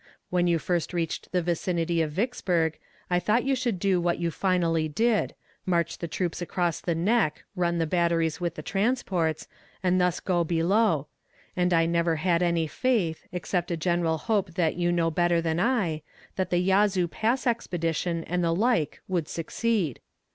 When you first reached the vicinity of Vicksburg I thought you should do what you finally did march the troops across the neck, run the batteries with the transports, and thus go below; and I never had any faith, except a general hope that you knew better than I, that the Yazoo Pass expedition and the like could succeed.